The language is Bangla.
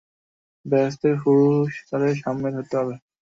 বেহেশতের হুর তাদের সামনে ধরতে হবে।